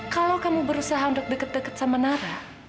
kalau kamu berusaha untuk dekat dekat sama nara